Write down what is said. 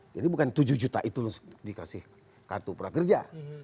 jadi bukan tujuh juta itu dikasih kartu prakerja